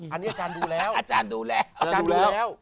อันนี้อาจารย์ดูแล้ว